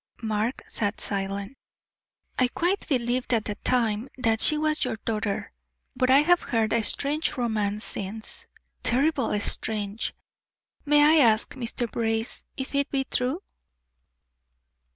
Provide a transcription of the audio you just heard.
Mark sat silent. "I quite believed at the time that she was your daughter, but I have heard a strange romance since terribly strange. May I ask, Mr. Brace, if it be true?"